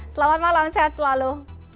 selamat malam sehat selalu